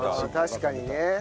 確かにね。